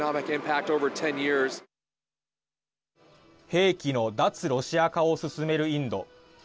兵器の脱ロシア化を進めるインド。